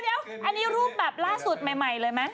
เดี๋ยวอันนี้รูปแบบล่าสุดใหม่เลยไหม